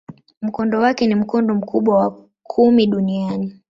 Mkondo wake ni mkondo mkubwa wa kumi duniani.